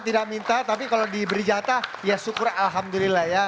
tidak minta tapi kalau diberi jatah ya syukur alhamdulillah ya